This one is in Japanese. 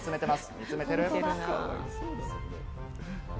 見つめてる。